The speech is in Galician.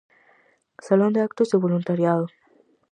Salón de actos do voluntariado.